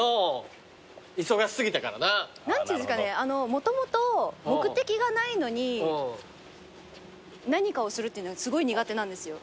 もともと目的がないのに何かをするっていうのがすごい苦手なんですよ。